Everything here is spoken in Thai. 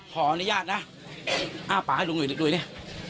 ขออนุญาตนะอ้าป่าให้ลุงหน่อยดูดูดินี่